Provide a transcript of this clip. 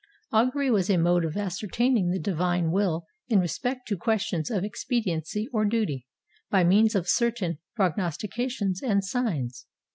Augury was a mode of ascertaining the divine will in respect to questions of expediency or duty, by means of certain prognostications and signs.